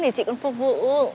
để chị còn phục vụ